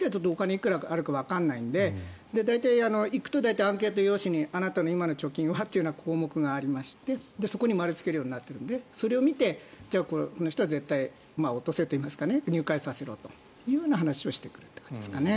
いくらあるかわからないので行くと、大体アンケート用紙にあなたの今の貯金はという項目がありましてそこに丸をつけるようになっていてそれを見てこの人は絶対落とせといいますか入会させろという話をしてくる感じですかね